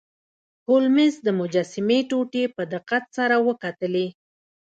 هولمز د مجسمې ټوټې په دقت سره وکتلې.